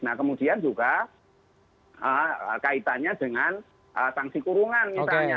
nah kemudian juga kaitannya dengan sanksi kurungan misalnya